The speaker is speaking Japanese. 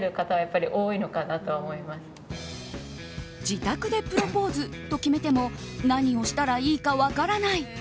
自宅でプロポーズと決めても何をしたらいいか分からない。